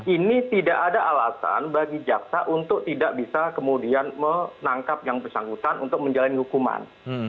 ini tidak ada alasan bagi jaksa untuk tidak bisa kemudian menangkap yang bersangkutan untuk menjalani hukuman